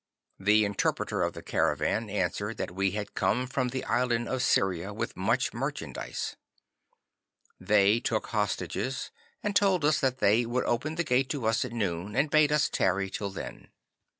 The interpreter of the caravan answered that we had come from the island of Syria with much merchandise. They took hostages, and told us that they would open the gate to us at noon, and bade us tarry till then.